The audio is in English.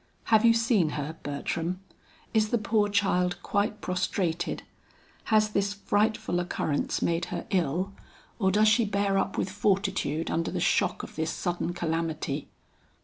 "Have you seen her, Bertram? Is the poor child quite prostrated? Has this frightful occurrence made her ill, or does she bear up with fortitude under the shock of this sudden calamity?"